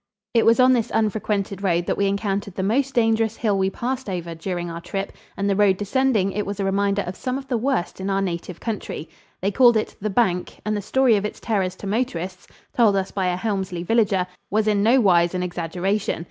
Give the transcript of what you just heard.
It was on this unfrequented road that we encountered the most dangerous hill we passed over during our trip, and the road descending it was a reminder of some of the worst in our native country. They called it "the bank," and the story of its terrors to motorists, told us by a Helmsley villager, was in no wise an exaggeration.